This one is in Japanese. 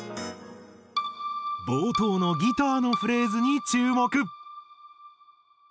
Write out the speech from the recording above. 冒頭のギターのフレーズに注目。